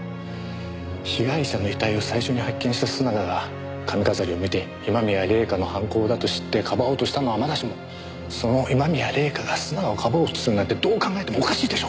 被害者の遺体を最初に発見した須永が髪飾りを見て今宮礼夏の犯行だと知ってかばおうとしたのはまだしもその今宮礼夏が須永をかばおうとするなんてどう考えてもおかしいでしょ！